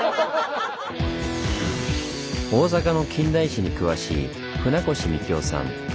大阪の近代史に詳しい船越幹央さん。